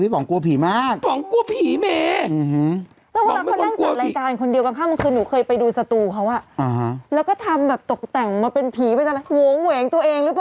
หอมเห่ยังตัวเองหรือเปล่า